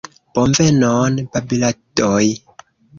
Bonvenon babiladoj.